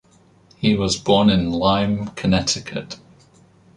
He was born in Lyme, Connecticut.